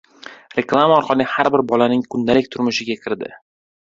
reklama orqali har bir bolaning kundalik turmushiga kirdi